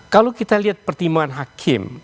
kalau kita lihat pertimbangan hakim